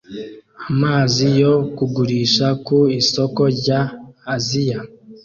Amazi yo kugurisha ku isoko rya Aziya